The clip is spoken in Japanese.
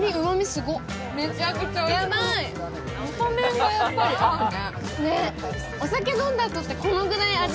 細麺がやっぱり合うね。